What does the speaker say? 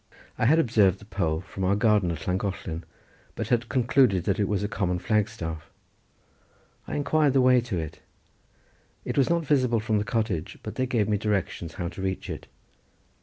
I had observed the pole from our garden at Llangollen, but had concluded that it was a common flagstaff. I inquired the way to it. It was not visible from the cottage, but they gave me directions how to reach it.